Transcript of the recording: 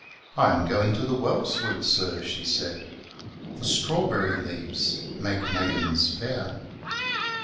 I am going to the well, fweet Sir, Jhefaid, Forftrawberry leaves make maidens fair.